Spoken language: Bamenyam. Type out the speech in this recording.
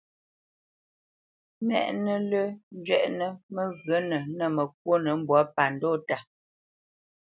Mɛ́nǝ́ lǝ̂ zhwɛʼnǝ mǝghyǝ̌nǝ nǝ́ mǝkwónǝ mbwǎ pa ndɔʼta.